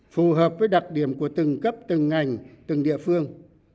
phù hợp với đặc điểm của từng cấp từng ngành từng địa phương